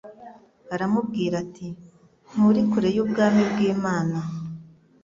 aramubwira ati: "Nturi kure y'ubwami bw'Imana."